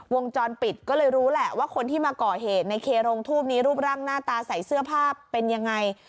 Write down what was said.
วงจรปิดก็เลยรู้แหละว่าคนที่มาก่อเหตุในเคโรงทูปนี้รูปร่างหน้าตาใส่เสื้อผ้าเป็นยังไง